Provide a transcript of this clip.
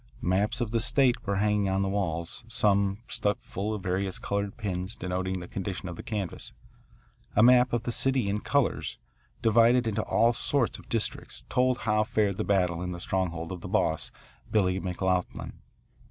Maps of the state were hanging on the walls, some stuck full of various coloured pins denoting the condition of the canvass. A map of the city in colours, divided into all sorts of districts, told how fared the battle in the stronghold of the boss, Billy McLoughlin.